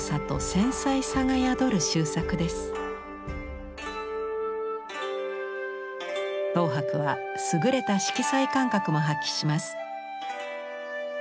等伯は優れた色彩感覚も発揮します。